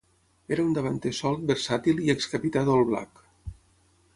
Era un davanter solt versàtil i ex-capità d'All Black.